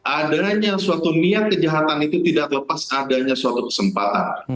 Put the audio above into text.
adanya suatu niat kejahatan itu tidak lepas adanya suatu kesempatan